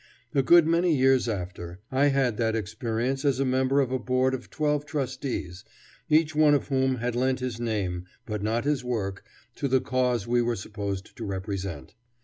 A good many years after, I had that experience as a member of a board of twelve trustees, each one of whom had lent his name but not his work to the cause we were supposed to represent.